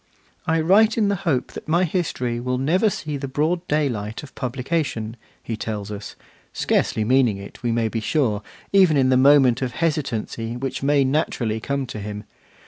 'I write in the hope that my history will never see the broad day light of publication,' he tells us, scarcely meaning it, we may be sure, even in the moment of hesitancy which may naturally come to him.